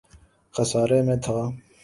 خسارے میں تھا